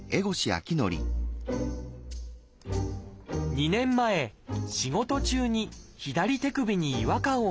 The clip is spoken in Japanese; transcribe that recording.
２年前仕事中に左手首に違和感を感じたといいます。